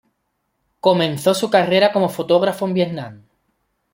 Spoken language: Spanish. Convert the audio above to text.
Comenzó su carrera como fotógrafo en Vietnam.